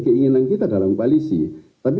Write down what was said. keinginan kita dalam koalisi tapi